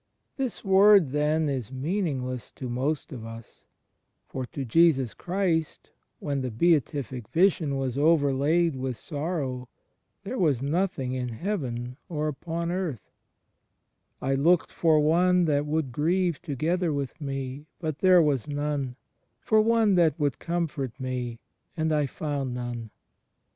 This Word, then, is meaningless to most of us; for to Jesus Christ, when the Beatific Vision was overlaid with sorrow, there was nothing in Heaven or upon earth. ...^ Matt, xxvii : 46. CHRIST IN mS HISTORICAL LIFE 135 "I looked for one that would grieve together with me, but there was none: for one that would comfort me, and I foimd none."